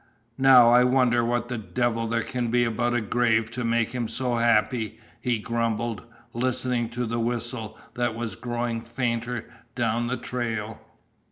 "Now I wonder what the devil there can be about a grave to make him so happy," he grumbled, listening to the whistle that was growing fainter down the trail.